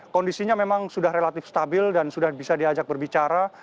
kondisinya memang sudah relatif stabil dan sudah bisa diajak berbicara